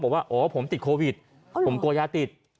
บอกว่าอ๋อผมติดโควิดผมกลัวยาติด